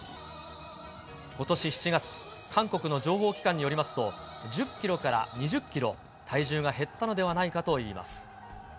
ことし７月、韓国の情報機関によりますと、１０キロから２０キロ体重が減ったのではないかといいます。